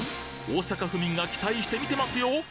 大阪府民が期待して見てますよ